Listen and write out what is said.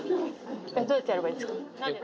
どうやってやればいいですか。